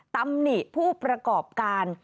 ตำหนิผู้ประกอบการ